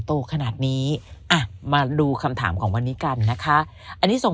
โตขนาดนี้อ่ะมาดูคำถามของวันนี้กันนะคะอันนี้ส่ง